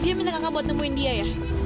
dia minta kakak buat nemuin dia ya